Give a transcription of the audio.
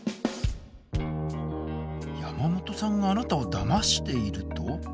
山本さんがあなたをだましていると？